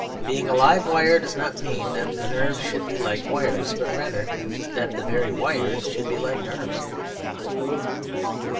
Being a live wire does not mean that the nerves should be like wires; but rather that the very wires should be like nerves.